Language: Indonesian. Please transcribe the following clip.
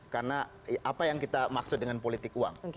karena apa yang kita maksud dengan politik uang